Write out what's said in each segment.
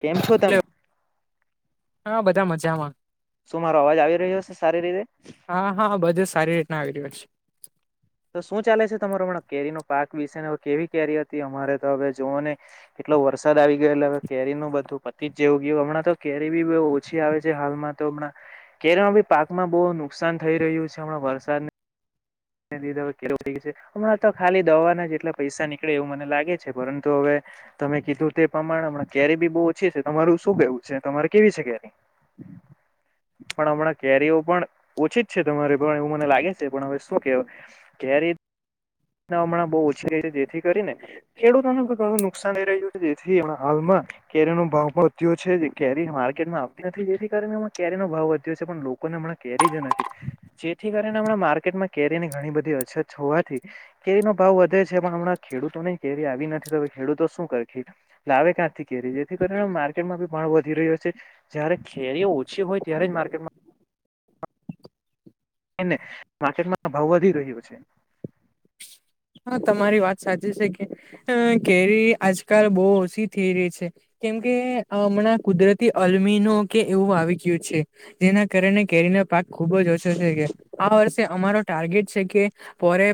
કેમ છો તમે હેલો હા બધા મજામાં શું મારો અવાજ આવી રહ્યો છે સારી રીતે હા હા બધું સારી રીતના આવીરી હો છે તો શું ચાલે છે તમારો હ કેરી નો પાક વિશે ને કેવી કેરી હતી અમારે તો હવે જોઓ ને એટલો વરસાદ આવી ગયોેલે હવે કેરીનુંું બધું પતિ જ જેવું ગયું હમણાં તો કેરી બી બહ ઓછી આવે છે હાલમાં તો કેર ભી પાકમાં બહુ નુકસાન થઈ રહ્યું છે હમણાં વરસાદ દીધ કેવું થ ગ છે હમણા તો ખાલી દવાના જેટલા પૈસા નીકળે એવું મને લાગે છે પરંતુ હવે તમે કીધું તે પ્રમાણેણા કેરી બી બહુ ઓછી છે તમારું શું કેવું છે તમારે કેવી છે કેરી પણ હમણાં કેરીઓ પણ ઓછી જ છે તમારે પણ એવું મને લાગે છે પણ હવે શું કેવ કેરીત ના હમણાં બહુ ઓછી રહી છે જેથી કરીને ખેડૂતોને ઘણું નુકસાન થઈ રહ્યું છે જેથી હણાં હાલમાં કેરી નો ભાવ પણ વધ્યો છે કેરી માર્કેટમાં આવતી નથી જેથી કારણે એમાં કેરી નો ભાવ વધ્યો છે પણ લોકોને હમણાં કેરી જ નથી જેથી કરીને હમણાં માર્કેટમાં કેરીની ઘણી બધી અછત હોવાથી કેરી નો ભાવ વધે છે પણ હમણાં ખેડૂતો કેરી આવી નથી તો ખેડૂતો શું કરી લાવે કેરી જેથી કરીને માર્કેટમાં બી ભણ વધી રહ્યો છે જયારે કેરીઓ ઓછી હોય ત્યારે જ માર્કેટમાં માર્કેટમાં ભાવ વધી રહ્યો છે હા તમારી વાત સાચી છે અ કેરી આજકાલ બહ ઓછી થઈ રહી છે કેમકે હમણાં કુદરતી અલમીનો કે એવું આવી ગયું છે જેના કારણે કેરીના પાક ખુબ જ ઓછો છે કે આ વર્ષે અમારો ટાર્ગેટ છે કેરે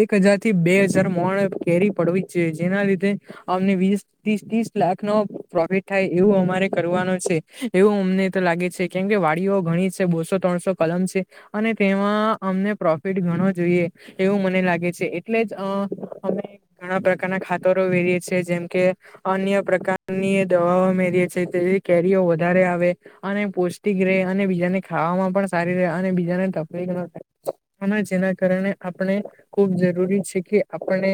એક હજાર થી બે હજાર મોણ કેરી પડવી છે જેના લીધે અમને વીસ ત્રીસ લાખ લ પ્રોફિટ થાય એવું અમારે કરવાનો છે એવું અમને તો લાગે છે કેમ કે વાડીઓ ઘણી બો ત્રો કલમ છે અને તેમાં અમને પ્રોફિટ ગણો જોઈએ એવું મને લાગે એટલે અમે ઘણા પ્રકારના ખા રીી જેમકે અન્ય પ્રકારની દવાઓ મેરીએ છી તે કેરીઓ વધારે આવે અને પૌષ્ટિક ર અને બીજાને ખાવામાં પણ સારી રહે અને બીજાને તકલીફ ન થાય હ જેના કારણે આપણે ખૂબ જરૂરી છે કે આપણે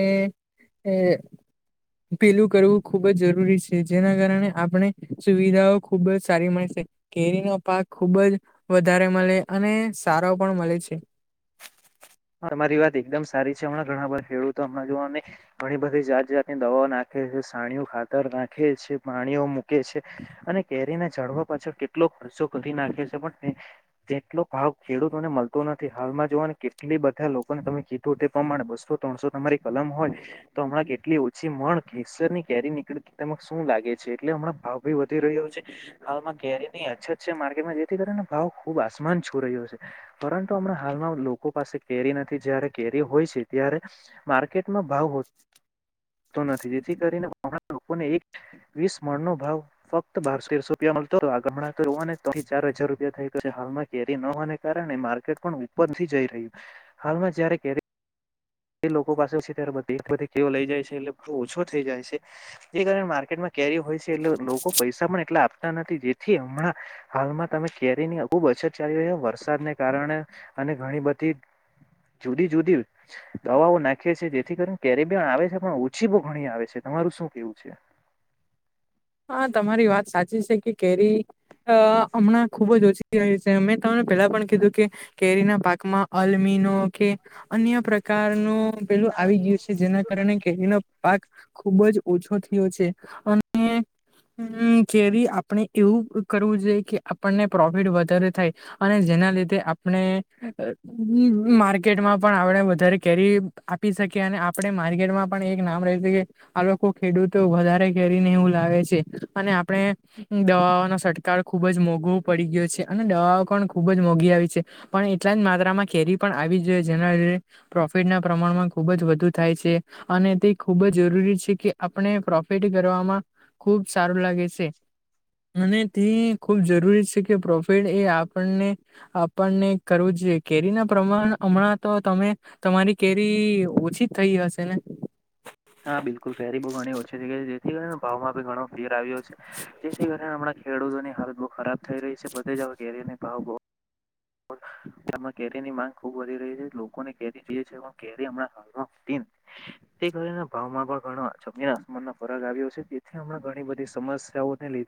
પેલું કરવું ખુબ જ જરૂરી છે જેના કારણે આપણે સુવિધાઓ ખુબ જ સારી મળી કેરીનો પાક ખુબ જ વધારે મળે અને સારો પણ મળે છે [unintelligible] હ મારી વાત એકદમ સારી છે હમણાં ઘણા બધા ખેડૂતો હણાં જોને ઘણી બધી જાત જાતની દવાઓ નાખ સાણીય ખાતર નાખે છે. પાણીઓ મૂકે છે. અને કેરીને ઝાડવા પાછળ કેટલો ખર્ચો કરી નાખે છે પણ જેટલો ભાવ ખેડૂતોને મળતો નથી હાલમાં જોવાનું કે એટલી બધા લોકોને તમે કીધું તે પ્રમાણે બસો ત્રણસો તમારી કલમ હોય તો હમણાં કેટલી ઓછી મળ કેેસરની કેરી નીકળી શું લાગે છે એટલે હમણાં ભાવ ભી વધી રહ્યો છે હાલમાં કેરીની અછત છે માર્કેટમાં જેથી કરીને ભાવ ખુબ આસમાન છો રહ્યો છે પરંતુ હમણા હાલમાં લોકો પાસે કેરી નથી જયારે કેરી હોય છે ત્યારે માર્કેટમાં ભાવ નથી જેથી કરીને ગણા લોકોને એક વીસ મણનો ભાવ ફક્ત બારસોતેસો રૂપિયા. ત્રણથી ચાર હજાર રૂપિયા થઈ હાલમાં કેરી ન હોવાને કારણે માર્કેટ પણ ઉપરથી જઈ હાલમાં જયારે કેરી એ લોકો પાસે છે ત્યારે બધી એધી કેવ લઈ જાય છે એટલે બ ઓછો થઈ જાય છે જે કારણે માર્કેટમાં કેરી હોય છે એટલે લોકો પૈસા એટલા આપતા નથી જેથી હમણાં હાલમાં તમે કેરીની ખુબ અછત ચાલી રહી છે વરસાદને કારણે અને ઘણી બધી. જુદી જુદી દવાઓ નાખીએ છીએ જેથી કરીને કેરીબી આવે છે પણ ઓછી બો ઘણી આવે છે ત તમારું શું કેવું છે? હા, તમારી વાત સાચી છેકે કેરી અ હમણાં ખુબ જ ઓછી થાય છે મેં તમને પેલા પણ કીધું કે કેરીના પાકમાં [unintelligible] અન્ય પ્રકારનું પેલું આવી ગયું છે. જેના કારણે કેરીનો પાક ખુબ જ ઓછો છે. અને હમ્મ, કેરી આપણે એવું કરવું જોઈએ કે આપણને પ્રોફિટ વધારે થાય અને જેના લીધે આપણે માર્કેટમાં પણ આપણે વધારે કેરી આપી શકીએ અને આપણે માર્કેટમાં પણ એક નામ રેય કે આ લોકો ખેડૂતો વધારે કેરીને એવું વધારે લાવે છે. અને આપણે દવાઓનો છંટકાર ખુબજ મોંઘવો પડી ગયો છે, અને દવાઓ પણ ખુબ ખૂબજ મોંઘી આવી છે, પણ એટલા જ માત્રામાં કેરી પણ આવી જોઈએ. જેના લીધે પ્રોફિટના પ્રમાણમાં ખૂબજ જ વધુ થાય છે અને તે ખુબ જ જરૂરી છેકે આપણે પ્રોફિટ કરવામાં ખુબ સારું લાગે છે. [unintelligible] ખુબ જરૂરી છેકે પ્રોફિટ એ આપણને આપણને કરવું કેરીના પ્રમાણ હમણાં તો તમે તમારી કેરી ઓછી થઈ હશે ને? હા, બિલકુલ કેરી બો ઘણી ઓછી છે કે જેથી કરી ભાવમાંબી ઘણો ફેર આવ્યો છે. જેથી કરી આમણા ખેડૂતોની હાલત બહુ ખરાબ થઈ રહી છે. બધે જ કેરીનો ભાવ આમાં કેરીની માંગ ખુબ વધી રહી છે. લોકોને કેરી જોઈએ છે. કેરી હમણાં તે કરીને ભાવમાં પણ ઘણો જમીના-આસમાનનો ફરક આવ્યો છે. તેથી હમણાં ઘણી બધી સમસ્યાઓને લ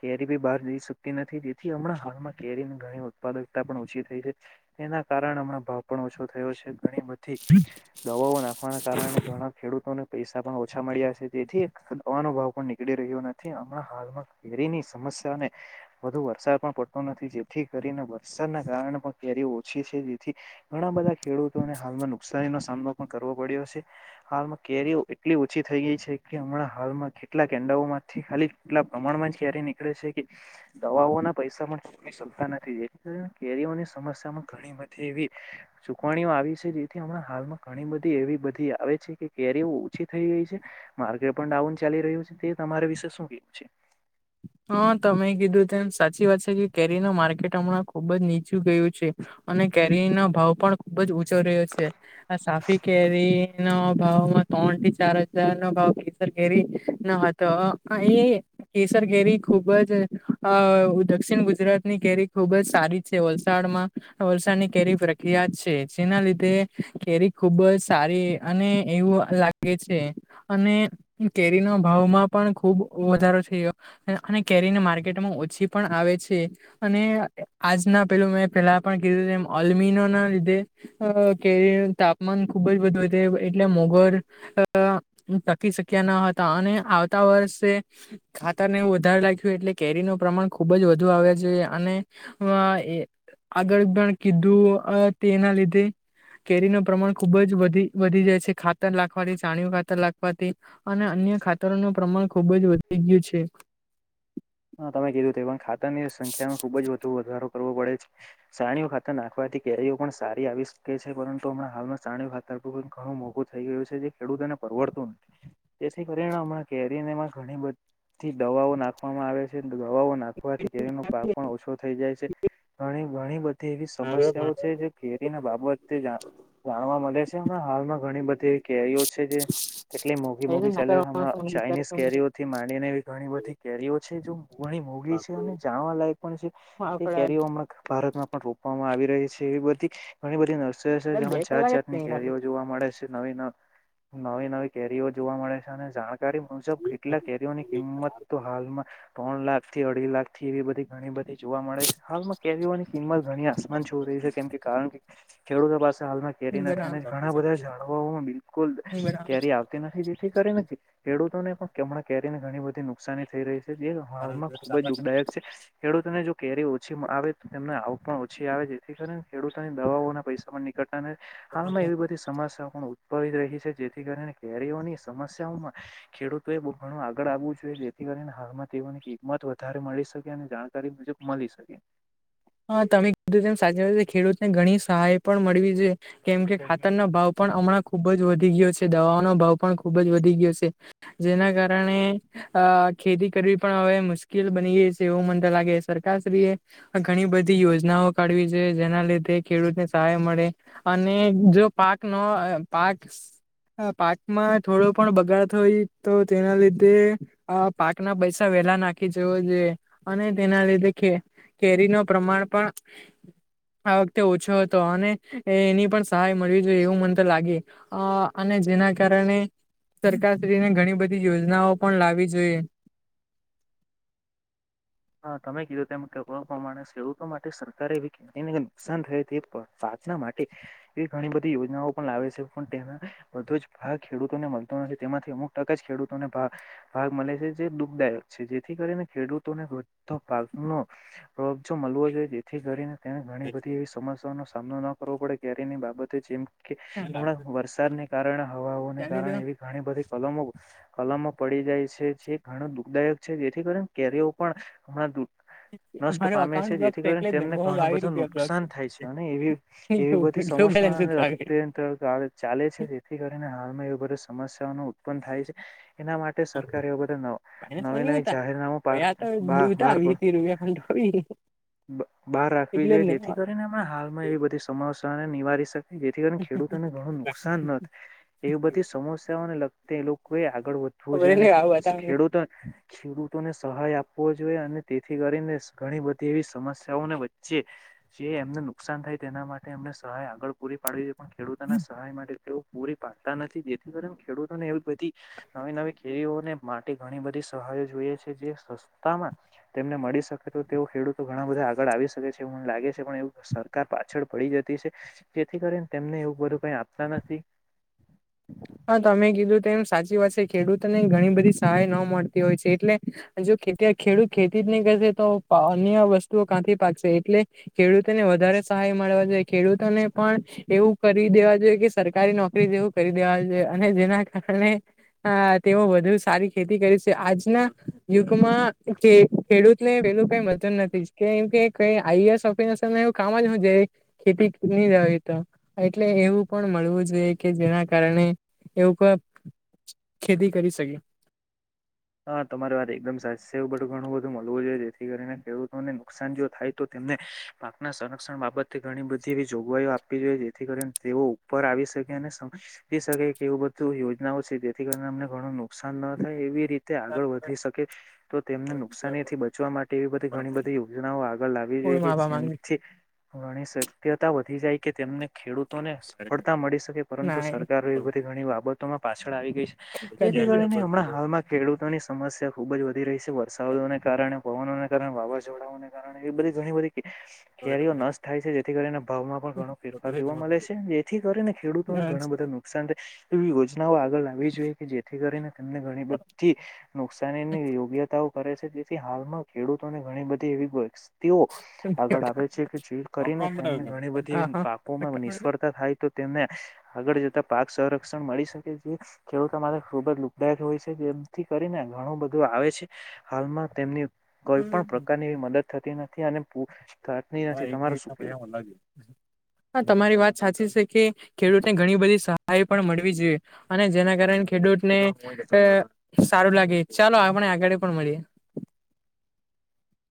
કેરીબી બહાર જઈ શકતી નથી, જેથી હમણાં હાલમાં કેરી ઘણી ઉત્પાદક પણ ઓછી થઈ છે. એના કારણે હમણા ભાવ પણ ઓછો થયો છે. ઘણી બધી દવાઓ નાખવાના કારણે ઘણા ખેડૂતોને પૈસા પણ ઓછા મળ્યા છે. તેથી નવાનો ભાવ પણ નીકળી રહ્યો નથી હમણાં હાલમાં કેરીની સમ્યા વધુ વરસાદ પણ પડતો નથી, જેથી કરીને વરસાદના કારણે પણ કેરીઓ ઓછી છે. જેથી ઘણા બધા ખેડૂતોને હાલમાં નુકસાનનો સામનો કરવો પડ્યો છે. હાલમાં કેરીઓ એટલી ઓછી થઈ ગઈ છે કે હમણાં હાલમાં કેટલા કેન્ડાઓ ખાલી એટલા પ્રમાણમાં જ ક્યારે નીકળે છેકે દવાઓના પૈસા પણ કે સમ્સામાં ઘણી બધી એવી ચૂકવણીઓ આવી છે. જેથી હમણાં હાલમાં ઘણી બધી એવી આવે છે કે કેરીઓ ઓછી થઈ ગઈ છે માર્કેટ પણ ડાઉન ચાલી રહ્યું છે તે તમારા વિશે શું કેવું છે? [inaudible] હા, તમે કીધું તેમ સાચી વાત છે. કે કેરીનું માર્કેટ હમણાં ખુબ જ નીચું ગયું છે અને કેરીનો ભાવ પણ ખુબજ‌ ઉંચો રહ્યો છે, આ સાફી કેરીના ભાવમાં ચાર હજારનો ભાવ કેસર કેરીનો હતો અહીં કેસર કેરી ખુબ જ અ દક્ષિણ ગુજરાતની કેેરી ખુબજ સારી છે. વલસાડમાં વરસાદની કેરી પ્રખ્યાત છે. જેના લીધે તે કેરી ખુબ જ સારી અને એવું લાગે છે, અને તે કેરીનો ભાવમાં પણ ખુબ વધારો છે. ઓ અને કેરીને માર્કેટમાં ઓછી પણ આવે છે, અને આજના પેલું મેં પેલા પણ કીધું એમ ઓલ્મીનોના લીધે કેરી તાપમાન ખુબ જ વધ વધી અને મોંઘવારી આ ટકી શક્યા ન હતા અને આવતા વર્ષે ખાતરને એવું વધારે લાગ્યું એટલે કેરીનું પ્રમાણ ખુબજ વધુ આવ્યા છે, અને આ આગળ પણ કીધું તેના લીધે કેરીનું પ્રમાણ ખુબજ વધી વધી જાય છે ખાતર નાખવાથી છાણયું ખાતર નાખવાથી અને અન્ય અન્ય ખાતરોનું પ્રમાણ ખુબજ વધી ગયું છે હા તમે કીધું તે પણ ખાતરની સંખ્યામાં ખુબજ વધુ વધારો કરવો પડે છે, છાણિયું ખાતર નાખવાથી કેરીઓ પણ સારી આવી શકે છે, પરંતુ હમણાં હાલમાં છાણિયું ખાતર થતું ઘણું મોઘું થઈ ગયું છે, જે ખેડૂતને પરવડતું જેથી કરીને હમણા કેરીઓમાં ઘણી અને બધી દવાઓ નાખવામાં આવે છે દવાઓ નાખવાથી કેરીનો પાક પણ ઓછો થઈ જાય છે ઘણી ઘણી બધી એવી સમસ્યાઓ છે જે કેેરી ના બાબતે જાણ જાણવા મળે છે અને હાલમાં ઘણી બધી તે કેરીઓ છે તે કેટલી મોઘી એને મોઘી ના ચાલે કરવા હમણાં ફોન ચાઇનીઝ કરતા નથી. કેરીઓ થી માંડીને એવી ઘણી બધી કેરીઓ છે જો ઘણી મોગી છે અને જાણવાલાયક પણ છે હા તે કેરીઓ આપડા હમં ભારતમાં પણ રોપવામાં આવી રહી છે એવ બધી ઘણી બધી નર્સરી બે જેમાં જાત કલાક જ જાતની કેરીઓ ખાલી જોવા મળે છે નવી નવ નવી નવી કેરીઓ જોવા મળે છે અને જાણકારી મુજબ કેટલા કેરીઓની કિંમત તો હાલમાં ત્રણ લાખ થી અઢી લાખ થી એવી બધી ઘણી બધી જોવા મળે છે હાલમાં કેરીઓની કિંમત ઘણી આસમાન છો રહી છે કેમ કે કારણ કે ખેડૂતો પાસે હાલમાં કેરી નથી અને ઘણા બધા ઝાડવામાં બિલકુલ કેરી આવતી નથી જેથી કરી ને ખેડૂતોને પણ કેમણાં કેરીને ઘણી બધી નુકસાની થઈ રહી છે જે હાલમાં ખુબ જ દુઃખદાયક છે ખેડૂતોને જો કેરી ઓછી આવે તોને આવ ક પણ ઓછી આવે જેથી કારણે ખેડૂતોની દવાઓના પૈસા પણ નીકળે અને હાલમાં એવી બધી સમસ્યા પણ ઉદભવી રહી છે જેથી કરીને કેરીઓની સમસ્યાઓમાં ખેડૂતો એ બહુ ઘણું આગળ આવવું જોઈએ જેથી કરીને હાલમાં તેઓની કિંમત વધારે મળી શકે અને જાણકારી મુજબ મળી શકે હા તમે કીધું સાચી વાત ખેડૂતને ઘણી સહાય પણ મળવી છે કેમ કે ખા તરનો ભાવ પણ હમણાં ખુબ જ વધી ગયો છે દવાનો ભાવ પણ ખૂબ જ વધી ગયો છે જેના કારણે અ ખેતી કર કરવી પણ હવે મુશ્કેલ બની એવું મનત લાગે સરકારશ્રીએ આ ઘણી બધી યોજનાઓ કાઢવી જોઈએ જેના લીધે ખેડૂતને સહાય મળે અને જો પાક નો પાક હ પાકમાં થોડો પણ બગાડ થય તો તેના લીધે આ પાક ના પૈસા પેલા નાખી જવુ જોઈએ અને તેના લીધે કેરી કેેરીનો પ્રમાણ પણ [inaudible] આ વખતે ઓછો હતો અને એની પણ સહાય મળવી જોઈએ એવું મન તો લાગે અ અને જેના કારણે સરકારશ્રીને ઘણી બધી યોજનાઓ પણ લાવવી જોઈએ [inaudible] હા તમે કીધું તેમ ક પ્રમાણે ખેડૂતો માટે સરકારે એવી ખેતીને નુકસાન થાય તે પણ યોજના માટે એવી ઘણી બધી યોજનાઓ પણ લાવે છે પણ તેના બધો જ ભાગ ખેડૂતોને મળતો નથી તેમાંથી અમુક ટકા જ ખેડૂતોને ભાગ ભાગ મળે છે જે દુઃખદાયક છે જેથી કરીને ખેડૂતોને ભાગ નો ખર્ચો મળવો જોઈએ જેથી કરીને તેને ઘણી બધી એવી સમસ્યાનો સામનો ન કરવો પડે ક્યારેયની બાબતે જેમ કે હમણાં વરસાદને કારણે હવાઓને કારણે એવી ઘણી બધી કલમો કલમો પડી જાય છે જે ઘણું દુઃખદાયક છે જેથી કરીને કેરીઓ પણ હમણાં નષ્ટ મારો પામે છે અકાઉન્ટ બ્લોક જેથી કરીને એટલે જ ને તેમને બહુ ઘણું બાવી બધું રૂપિયા બ્લોક નુકસાન થાય છે અને એ એવી બધ સમસ્યા રંતળ ચાલે છે તેથી કરીને હાલમાં એ બધી સમસ્યા [inaudible] ઉત્પન્ન થાય છે એના માટે સરકાર એ બધા નવી નવી જાહેરનામું બહાર [inaudible] બહાર રાખવી એટલે જોઈએ જેથી કરીને એમ હાલમાં એવી બધી સમસ્યાને નિવારી શક જેથી કરીને ખેડૂતોને ઘણું નુકસાન ન એવી બધી સમસ્યાઓને લગતે એ લોકો આગળ વધવું જોઈએ જ ને અને ખેડૂતો ખેડૂતોને સહાય આપ જોઈએ અને તેથી કરીને ઘણી બધી એવી સમસ્યાઓને વચ્ચે જે એમને નુકસાન થાય તેના માટે અમને સહાય આગળ પૂરી પાડવી જોઈએ પણ ખેડૂતોના સહાય માટે એવું પૂરી પાડતા નથી જેથી કરીને ખેડૂતોને એવી બધી નવી નવી ખેડીઓને માટી ઘણી બધી સહાયજ છે જે સ્સ તા માં તેમને મળી શકે તો તેવ ખેડૂતો ઘણા બધા આગળ આવી શકે છે મને લાગે છે પણ એવ સરકાર પા છળ પડી જતી છે જેથી કરીને તેમને એવું બધું કઈ આપતા નથી હા તમે કીધું તો એમ સાચી વાતસે ખેડૂતો ની ઘણી બધી સહાય ન મળતી હોય છે એટલે જો ખેડૂત ખેતીતને કરશે તો વસ્તુ કાંથી પાકશે એટલે ખેડૂતોને વધારે સહાય મળવા જોઈએ ખેડૂતોને પણ એવું કરી દેવા જોઈએ કે સરકારી નોકરી જેવું કરી દેવા જોઈએ અને જેના કારણે હા તેઓ વધુ સારી ખેતી કરી છે આજના યુગમાં ખેડૂતને એેલું કઈ મળતું નથી કેમ કે આઈ એસ ઓફિસર એવું કામ જ હુ છે ખેતી ની એટલે એવું પણ મળવું જોઈએ કે જેના કારણે એવું કોઈ ખેતી કરી શકે હા તમારી વાત એકદમ સાસ છે એવું બધું ઘણું બધું મળવું જોઈએ જેથી કરીને ખેડૂતોને નુકસાન જો થાય તો તે મેં પાકના સંરક્ષણ બાબત ઘણી બધી એવી જોગવાઈઓ આપવી જોઈએ જેથી કરીને તેઓ ઉપર આવી શક કે શાય કે એવ બધું યોજનાઓ છે જેથી કરીને અમને ઘણું નુકસાન ન થાય એ તે આગળ વધી શકે તો તેમને નુકસાની થી બચવા માટે એવી બધી ઘણી બધી યોજનાઓ આગળ લાવી કોળ જોઈએ કે માવા માંગે જેમથી ઘણી શક્યતા વધી જાય કે તેમને ખેડૂતોને સફળતા મળી શકે પરંતુ સરકાર એ બધી ઘણી બાબતોમાં પાછળ આવી ગઈ છે જે થી કરીને હમણાં હાલમાં ખેડૂતોની સમસ્યા ખૂબ જ વધી રહી છે વરસાદોને કારણે પવનો વાવાઝોડાને કારણે બધી ઘણી બધી કેરીઓ નષ્ટ થાય છે જેથી કરીને ભાવમાં પણ ઘણો ફેરફાર જોવા મળે છે જેથી કરીને ખેડૂતોને ઘણા બધા નુકસાન થાય એવી યોજનાઓ આગળ લાવવી જોઈએ કે જેથી કરીને તેમને ઘણી બ ધી નુકસાનીની યોગ્યતાઓ કરે છે તેથી હાલમાં ખેડૂતોને ઘણી બધી એવી પરી તીઓ આગળ આવે છે કે જે કરીને તેમને ઘણી બધી હા પાપોમાં નિષ્ફળતા થાય તો તેમને આગળ જતા પાક સંરક્ષણ મળી શકે જે ખેડૂતો માટે ખૂબ જ લુખદાયક હોય છે જેથી કરીને ઘણું બધું આવે છે હાલમાં તેમની કોઈ પણ પ્રકારનીવી મદદ થતી નથી અને થતી હા નથી એક તમારું શું કેવું મિનિટ પા તમારી વાત સાચી છે કે ખેડૂતનેણી બધી સ હાય પણ મળવી જોઈએ અને જેના કારણે ખેડૂતને સારું લાગે ચાલો ના આગળ પણ મળી [inaudible]